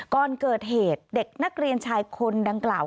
ก่อนเกิดเหตุเด็กนักเรียนชายคนดังกล่าว